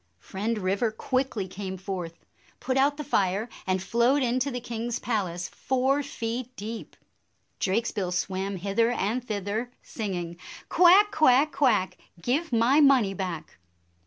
" Friend River quickly came forth, put out the fire, and flowed into the king's palace four feet deep. Drakesbill swam hither and thither, sing ing, "Quack, quack, quack! Give my money back."